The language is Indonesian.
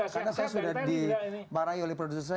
karena saya sudah dimarahi oleh produsen saya